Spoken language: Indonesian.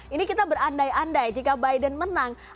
ini kita berandai andai jika biden menang